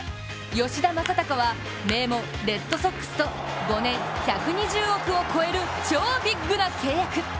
吉田正尚は名門レッドソックスと５年１２０億円を超える超ビッグな契約。